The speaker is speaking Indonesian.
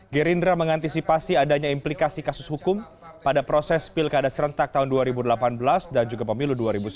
gerindra mengantisipasi adanya implikasi kasus hukum pada proses pilkada serentak tahun dua ribu delapan belas dan juga pemilu dua ribu sembilan belas